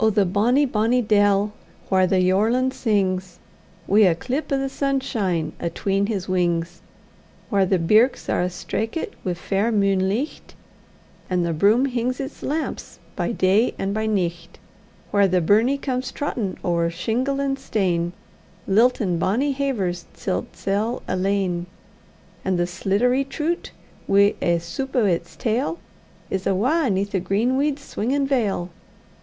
the bonny, bonny dell, whaur the yorlin sings, Wi' a clip o' the sunshine atween his wings; Whaur the birks are a' straikit wi' fair munelicht, And the broom hings its lamps by day and by nicht; Whaur the burnie comes trottin' ower shingle and stane, Liltin' bonny havers til 'tsel alane; And the sliddery troot, wi' ae soop o' its tail, Is awa' 'neath the green weed's swingin' veil!